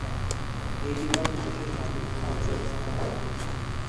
এই বিভাগটি বিশেষ কার্যক্রম পরিচালনা করে থাকে।